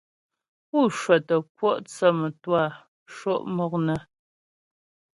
Pú cwə́tə kwɔ' thə́ mə́twâ sho' mɔk nə.